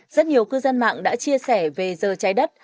rất nhiều cư dân mạng đã chia sẻ về giờ trái đất